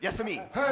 はい。